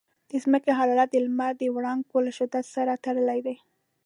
د ځمکې حرارت د لمر د وړانګو له شدت سره تړلی دی.